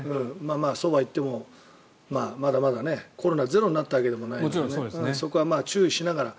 そうはいってもまだまだコロナゼロになったわけでもないのでそこは注意しながら。